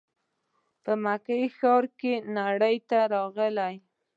په مکې ښار کې نړۍ ته راغی.